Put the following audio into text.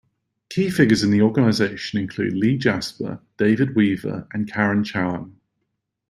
Key figures in the organisation include Lee Jasper, David Weaver and Karen Chouhan.